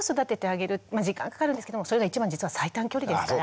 まあ時間かかるんですけどもそれが一番実は最短距離ですから。